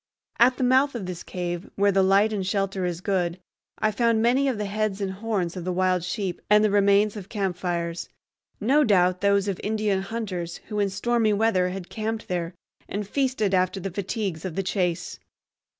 At the mouth of this cave, where the light and shelter is good, I found many of the heads and horns of the wild sheep, and the remains of campfires, no doubt those of Indian hunters who in stormy weather had camped there and feasted after the fatigues of the chase.